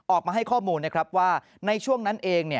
ออกมาให้ข้อมูลนะครับว่าในช่วงนั้นเอง